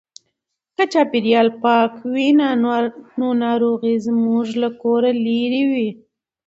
که چاپیریال پاک وي نو ناروغۍ به زموږ له کوره لیري وي.